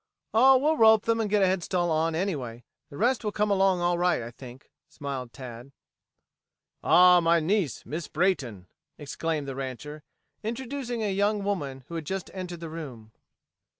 "Oh, we'll rope them and get a headstall on, anyway. The rest will come along all right, I think," smiled Tad. "Ah, my niece, Miss Brayton!" exclaimed the rancher, introducing a young woman who had just entered the room.